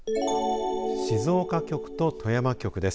静岡局と富山局です。